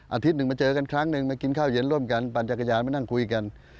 อาทิตย์หนึ่งมาเจอกันครั้งหนึ่งมากินข้าวเย็นร่วมกันปั่นจักรยานมานั่งคุยกัน